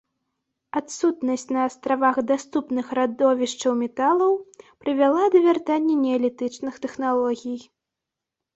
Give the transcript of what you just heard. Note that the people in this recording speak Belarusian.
Адсутнасць на астравах даступных радовішчаў металаў прывяла да вяртання неалітычных тэхналогій.